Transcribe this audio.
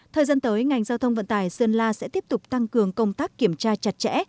thời gian tới ngành giao thông vận tải sơn la sẽ tiếp tục tăng cường công tác kiểm tra chặt chẽ